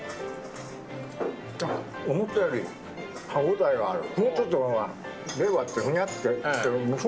思ったより歯応えがある。